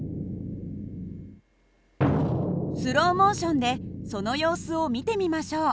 スローモーションでその様子を見てみましょう。